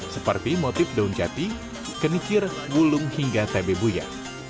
seperti motif daun jati kenikir wulung hingga tabe buya